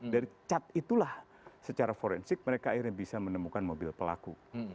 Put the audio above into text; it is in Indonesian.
dari cat itulah secara forensik mereka akhirnya bisa menemukan mobil pelaku